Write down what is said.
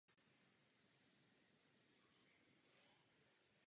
Nabíjení bylo automatické.